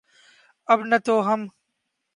اب نہ تو ہم